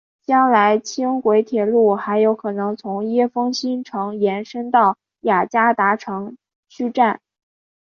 将来轻轨铁路还有可能从椰风新城延伸到雅加达城区站。